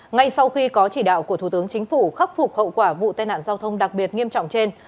ngay sau khi có chỉ đạo của thủ tướng chính phủ khắc phục hậu quả vụ tai nạn giao thông đặc biệt nghiêm trọng trên